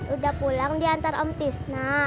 udah pulang diantar om tisna